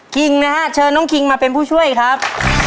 คิงนะฮะเชิญน้องคิงมาเป็นผู้ช่วยครับ